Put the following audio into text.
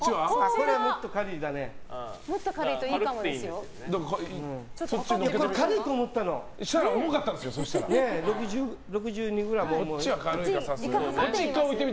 これはもっと軽いね。